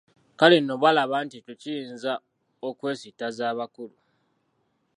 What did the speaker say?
Kale nno baalaba nti ekyo kiyinza okwesittaza abakulu.